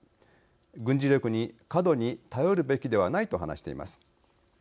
軍事力に過度に頼るべきではない」と話しています。